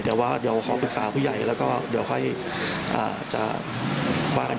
เดี๋ยวขอปรึกษาผู้ใหญ่แล้วก็เดี๋ยวค่อยจะว่ากัน